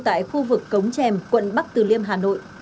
tại khu vực cống trèm quận bắc từ liêm hà nội